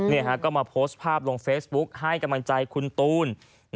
นี่ฮะก็มาโพสต์ภาพลงเฟซบุ๊คให้กำลังใจคุณตูน